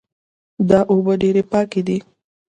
دا اوبه ډېرې پاکې دي